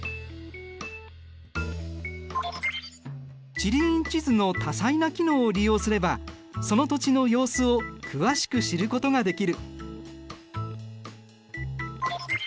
地理院地図の多彩な機能を利用すればその土地の様子を詳しく知ることができる。